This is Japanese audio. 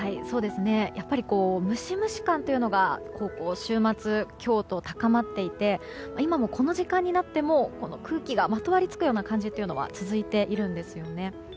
ムシムシ感というのが週末、今日と高まっていて今もこの時間になっても空気がまとわりつくような感じは続いているんですよね。